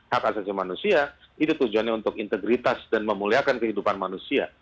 hak asasi manusia itu tujuannya untuk integritas dan memuliakan kehidupan manusia